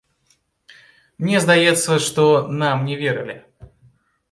Мне здаецца, што нам не верылі.